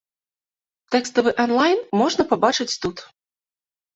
Тэкставы анлайн можна пабачыць тут.